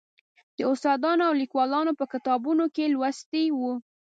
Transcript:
د استادانو او لیکوالو په کتابونو کې لوستی و.